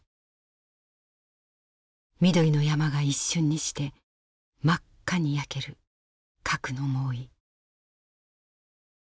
緑の山が一瞬にして真っ赤に焼ける核の猛威。